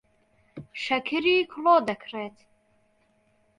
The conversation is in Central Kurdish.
شەکری کڵۆ دەکڕێت.